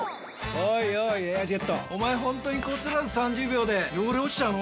おいおい「エアジェット」おまえホントにこすらず３０秒で汚れ落ちちゃうの？